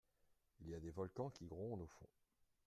Il y a des volcans qui grondent au fond…